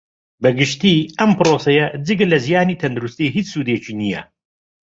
بە گشتی ئەم پڕۆسەیە جگە لە زیانی تەندروستی ھیچ سودێکی نییە